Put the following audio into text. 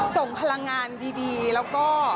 ส่งพลังงานดีแล้วก็